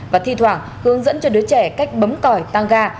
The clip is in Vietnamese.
và thi thoảng hướng dẫn cho đứa trẻ cách bấm còi tăng ga